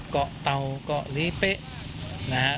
เกาะเตาเกาะลีเป๊ะ